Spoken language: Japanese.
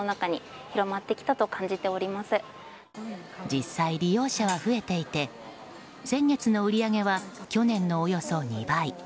実際、利用者は増えていて先月の売り上げは去年のおよそ２倍。